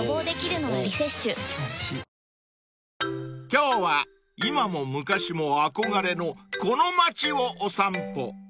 ［今日は今も昔も憧れのこの町をお散歩］